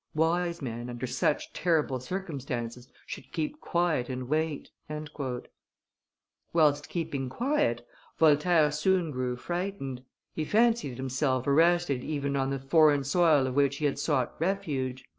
... Wise men, under such terrible circumstances, should keep quiet and wait." Whilst keeping quiet, Voltaire soon grew frightened; he fancied himself arrested even on the foreign soil on which he had sought refuge.